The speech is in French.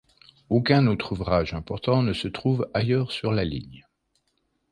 Aucun autre ouvrage important ne se trouve ailleurs sur la ligne.